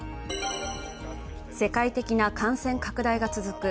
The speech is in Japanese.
世界的な感染拡大が続く